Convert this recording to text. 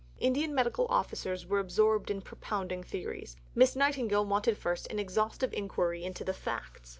Indian medical officers were absorbed in propounding theories; Miss Nightingale wanted first an exhaustive inquiry into the facts.